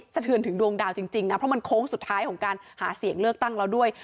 สะเทือนถึงดวงดาวจริงนะเพราะมันโค้งสุดท้ายของการหาเสียงเลือกตั้งแล้วด้วย